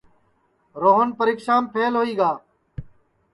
روہن پریکشام سپھل ہوئی گا